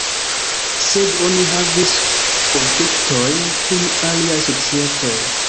Sed oni havis konfliktojn kun aliaj societoj.